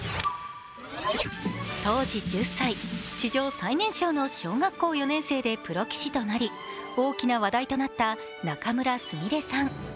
当時１０歳、史上最年少の小学校３年生でプロ棋士となり、大きな話題となった仲邑菫さん。